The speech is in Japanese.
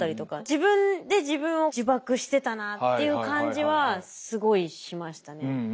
自分で自分を呪縛してたなっていう感じはすごいしましたね。